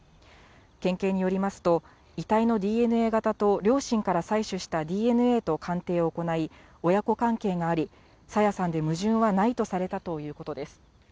県警によりますと、遺体のＤＮＡ型と両親から採取したＤＮＡと鑑定を行い、親子関係があり、朝芽さんで矛盾はないとされたということです。